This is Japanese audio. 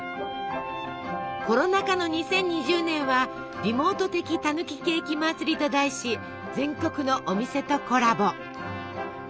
コロナ禍の２０２０年は「リモート的タヌキケーキまつり」と題し全国のお店とコラボ。